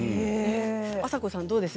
あさこさんはどうですか？